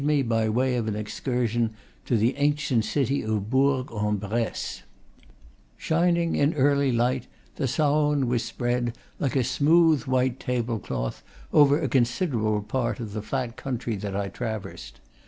me, by way of an excursion, to the ancient city of Bourg en Bresse. Shining in early light, the Saone was spread, like a smooth, white tablecloth, over a considerable part of the flat country that I traversed.